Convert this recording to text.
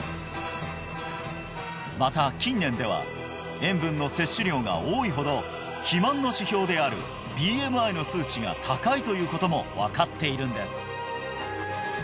また近年では塩分の摂取量が多いほど肥満の指標であるＢＭＩの数値が高いということも分かっているんです